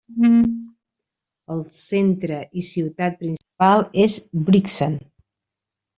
El centre i ciutat principal és Brixen.